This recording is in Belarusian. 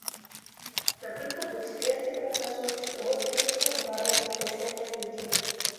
Да прыкладу, эксперты прагназуюць рост ледзь не ў два разы коштаў на лекі.